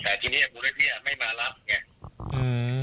แต่ที่นี่กว้วยที่ไม่มารับเนี่ย